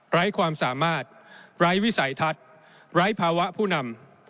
ไร้ความสามารถไร้วิสัยทัศน์ไร้ภาวะผู้นำ